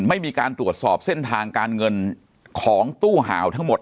ไม่มีการตรวจสอบเส้นทางการเงินของตู้ห่าวทั้งหมด